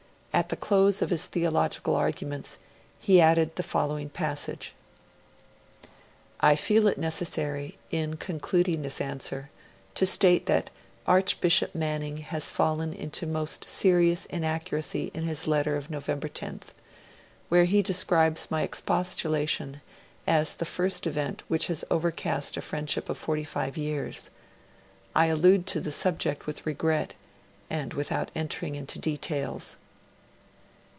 At the close of his theological arguments, he added the following passage: 'I feel it necessary, in concluding this answer, to state that Archbishop Manning has fallen into most serious inaccuracy in his letter of November 10th, wherein he describes 'my Expostulation as the first event which has overcast a friendship of forty five years. I allude to the subject with regret; and without entering into details.'